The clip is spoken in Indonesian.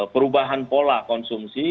perubahan pola konsumsi